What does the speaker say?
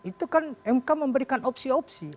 itu kan mk memberikan opsi opsi